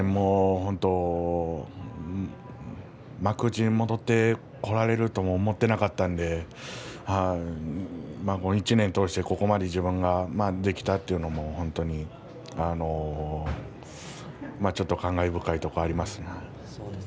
本当に幕内に戻ってこられると思っていなかったのでこの１年通してここまで自分ができたというのも本当にちょっと感慨深いところがあります。